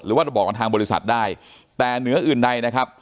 ว่าเราบอกกับทางบริษัทได้แต่เหนืออื่นใดนะครับ